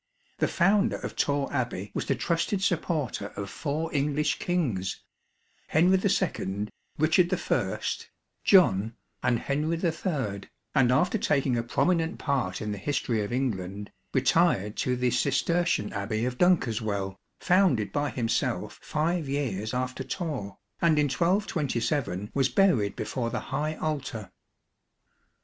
The Founder of Torre Abbey was the trusted supporter of four English Kings, Henry II, Richard I, John, and Henry III, and after taking a prominent part in the history of England, retired to the Cistercian Abbey of Dunkeswell, founded by himself five years after Torre, and in 1227 was buried before the high altar.